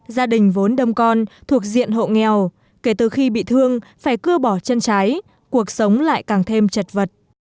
gia đình vốn đông con thuộc diện hộ nghèo kể từ khi bị thương phải cưa bỏ chân trái cuộc sống lại càng thêm chật vật